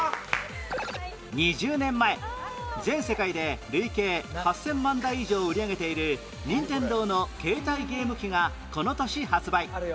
２０年前全世界で累計８０００万台以上売り上げている任天堂の携帯ゲーム機がこの年発売